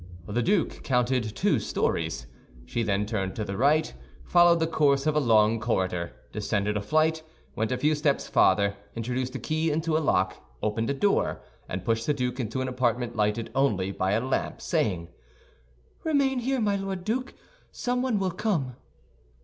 The duke counted two stories. She then turned to the right, followed the course of a long corridor, descended a flight, went a few steps farther, introduced a key into a lock, opened a door, and pushed the duke into an apartment lighted only by a lamp, saying, "Remain here, my Lord Duke; someone will come."